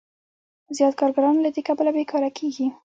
زیات کارګران له دې کبله بېکاره کېږي